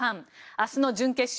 明日の準決勝